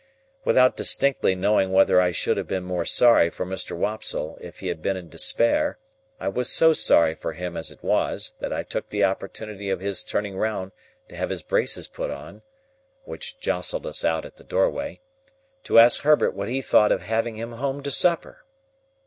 Without distinctly knowing whether I should have been more sorry for Mr. Wopsle if he had been in despair, I was so sorry for him as it was, that I took the opportunity of his turning round to have his braces put on,—which jostled us out at the doorway,—to ask Herbert what he thought of having him home to supper?